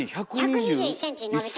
１２１ｃｍ伸びた。